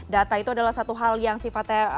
data itu adalah satu hal yang sifatnya